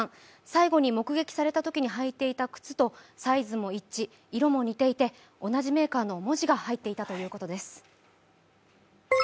最後に目撃されていたときに履いていた靴とサイズも一致、色も似ていて同じメーカーの文字が入っていたということです。